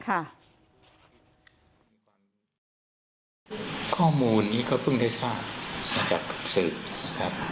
ข้อมูลนี้ก็เพิ่งได้ทราบมาจากสื่อนะครับ